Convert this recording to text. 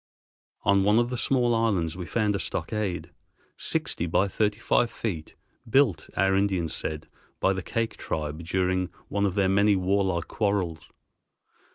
On one of the small islands we found a stockade, sixty by thirty five feet, built, our Indians said, by the Kake tribe during one of their many warlike quarrels.